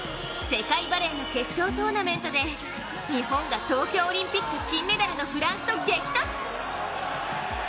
世界バレーの決勝トーナメントで日本が東京オリンピック金メダルのフランスと激突。